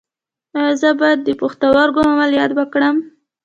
ایا زه باید د پښتورګو عملیات وکړم؟